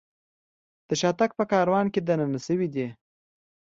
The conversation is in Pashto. د شاتګ په کاروان کې دننه شوي دي.